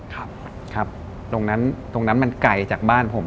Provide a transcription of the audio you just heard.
ตรงนั้นมันไกลจากบ้านผม